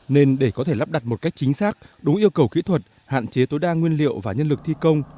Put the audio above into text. nên để có thể lắp đặt một cách chính xác đúng yêu cầu kỹ thuật hạn chế tối đa nguyên liệu và nhân lực thi công